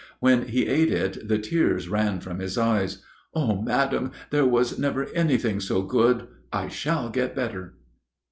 When he ate it the tears ran from his eyes. "Oh, madam, there was never anything so good! I shall get better."